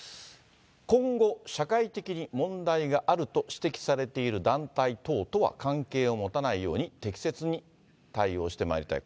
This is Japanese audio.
今後、社会的に問題があると指摘されている団体等とは関係を持たないように適切に対応してまいりたい。